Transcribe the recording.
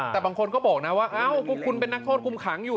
แต่บางคนก็บอกนะว่าคุณเป็นนักโทษคุมขังอยู่